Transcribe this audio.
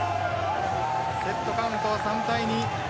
セットカウントは３−２。